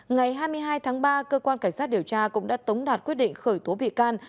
ngày hai mươi hai tháng ba cơ quan cảnh sát điều tra cũng đã tống đạt quyết định khởi tố bị can